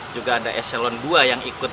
juga ada eselon ii yang ikut